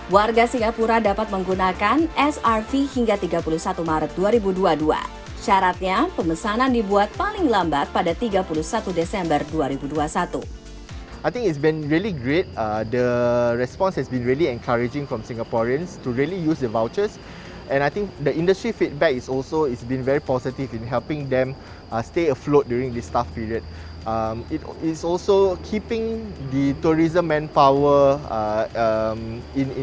warga yang usianya delapan belas tahun keatas ini akan mendapatkan voucher senilai seratus dolar singapura untuk melakukan pemasanan mulai dari hotel tur atraksi wisata juga yang ada di sekitar enam puluh enam lokasi